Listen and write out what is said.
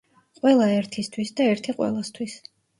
ყველა ერთისთვის და ერთი ყველასთის